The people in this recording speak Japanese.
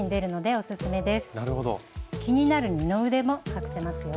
気になる二の腕も隠せますよ。